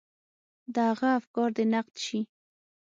د هغه افکار دې نقد شي.